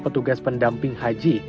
petugas pendamping haji